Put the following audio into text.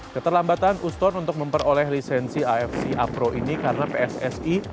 keterlambatan uston untuk memperoleh lisensi afc a pro ini karena pssi